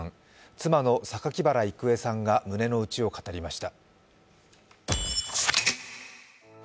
妻の榊原郁恵さんが胸のうちを語りました。